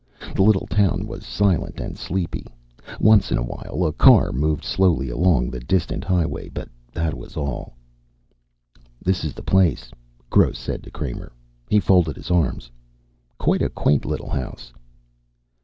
The little town was silent and sleepy; once in awhile a car moved slowly along the distant highway, but that was all. "This is the place," Gross said to Kramer. He folded his arms. "Quite a quaint little house."